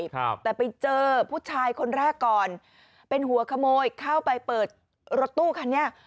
ครับแต่ไปเจอผู้ชายคนแรกก่อนเป็นหัวขโมยเข้าไปเปิดรถตู้คันนี้